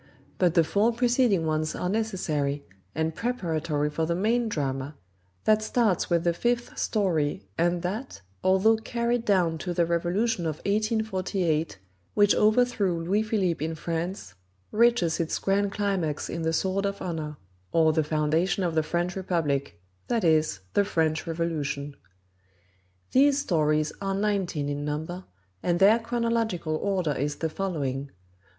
But the four preceding ones are necessary, and preparatory for the main drama, that starts with the fifth story and that, although carried down to the revolution of 1848 which overthrew Louis Philippe in France, reaches its grand climax in The Sword of Honor; or, The Foundation of the French Republic, that is, the French Revolution. These stories are nineteen in number, and their chronological order is the following: 1.